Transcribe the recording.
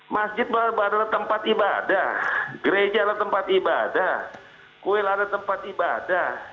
masjid adalah tempat ibadah gereja adalah tempat ibadah kuil ada tempat ibadah